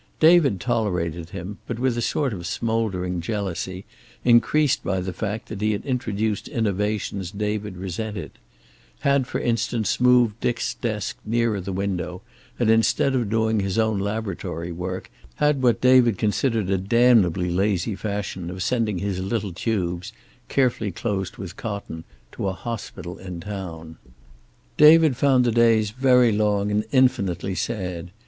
David tolerated him, but with a sort of smouldering jealousy increased by the fact that he had introduced innovations David resented; had for instance moved Dick's desk nearer the window, and instead of doing his own laboratory work had what David considered a damnably lazy fashion of sending his little tubes, carefully closed with cotton, to a hospital in town. David found the days very long and infinitely sad.